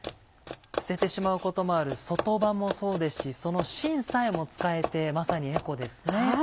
捨ててしまうこともある外葉もそうですしその芯さえも使えてまさにエコですね。